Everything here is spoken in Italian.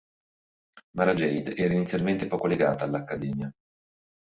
Mara Jade era inizialmente poco legata all'accademia.